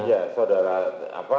ya saudara apa